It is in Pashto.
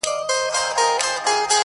د زړه كاڼى مــي پــر لاره دى لــوېـدلى~